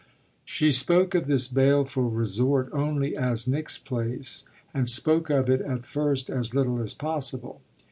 She spoke of this baleful resort only as "Nick's place," and spoke of it at first as little as possible.